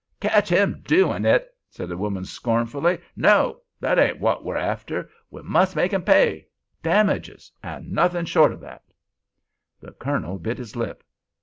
"Ketch him doin' it!" said the woman, scornfully. "No—that ain't wot we're after. We must make him pay! Damages—and nothin' short o' that." The Colonel bit his lip.